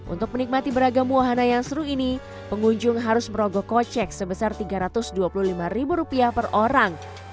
untuk menikmati beragam wahana yang seru ini pengunjung harus merogoh kocek sebesar rp tiga ratus dua puluh lima per orang